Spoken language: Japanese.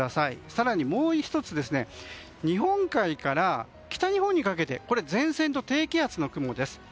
更に、もう１つ日本海から北日本にかけてこれは前線と低気圧の雲です。